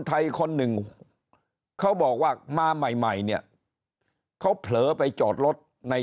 ไทยคนหนึ่งเขาบอกว่ามาใหม่ใหม่เนี่ยเขาเผลอไปจอดรถใน